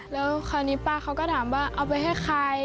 แล้วคราวนี้ป้าเขาก็ถามว่าเอาไปให้ใคร